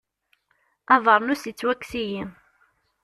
Abeṛnus yettwakkes-iyi.